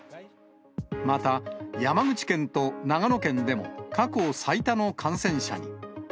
また、山口県と長野県でも過去最多の感染者に。